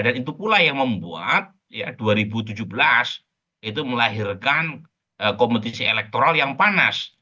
dan itu pula yang membuat dua ribu tujuh belas itu melahirkan kompetisi elektoral yang panas